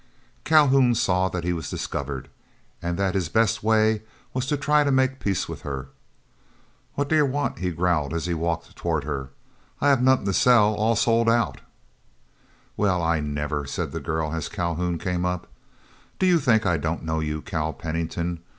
Calhoun saw that he was discovered, and that his best way was to try to make peace with her. "What do yer want?" he growled, as he walked toward her. "I hev nuthin' to sell; all sold out." "Well, I never!" said the girl as Calhoun came up. "Do you think I don't know you, Cal Pennington?